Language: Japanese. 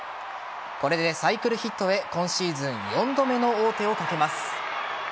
これでサイクルヒットへ今シーズン４度目の王手をかけます。